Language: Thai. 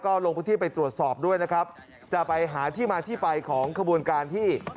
ก็ลงพื้นที่ไปตรวจสอบด้วยนะครับจะไปหาที่มาที่ไปของขบวนการที่